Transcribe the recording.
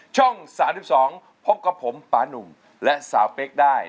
ช่อง๓๒พบกับผมปานุ่มและสาวเป๊กได้